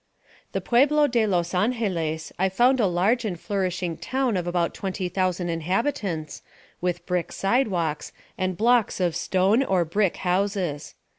The Pueblo de los Angeles I found a large and flourishing town of about twenty thousand inhabitants, with brick sidewalks, and blocks of stone or brick houses.